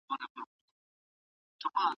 ایا د ګاونډي د کور رڼا ستا د خوب مخه نیسي؟